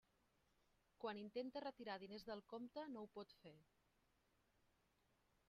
Quan intenta retirar diners del compte no ho pot fer.